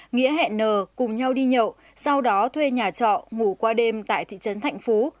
nghĩa hẹn nờ cùng nhau đi nhậu sau đó thuê nhà trọ ngủ qua đêm tại thị trấn thạnh phú